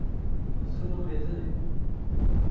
zilma mezin e.